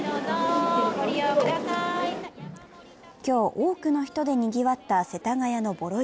今日、多くの人でにぎわった世田谷のボロ市。